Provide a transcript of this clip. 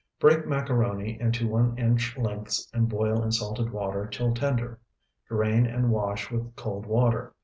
Break macaroni into one inch lengths and boil in salted water till tender. Drain and wash with cold water.